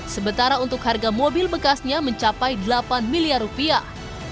sementara untuk harga mobil bekasnya mencapai delapan miliar rupiah